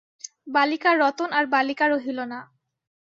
বালিকা রতন আর বালিকা রহিল না।